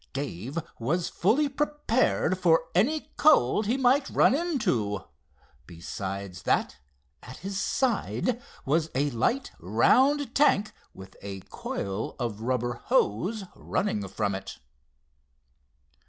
Dave was fully prepared for any cold he might run into. Besides that, at his side, was a light, round tank with a coil of rubber hose running from it.